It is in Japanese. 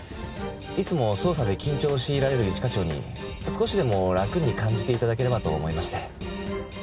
いつも捜査で緊張を強いられる一課長に少しでも楽に感じて頂ければと思いまして。